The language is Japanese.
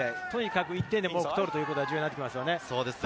１点でも多く取ることが重要になりますね。